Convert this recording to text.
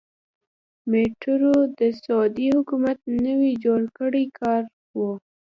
میټرو د سعودي حکومت نوی جوړ کړی کار و.